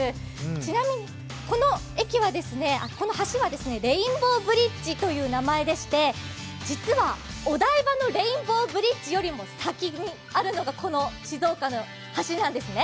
ちなみに、この橋はレインボーブリッジという名前でして実はお台場のレインボーブリッジよりも先にあるのがこの静岡の橋なんですね。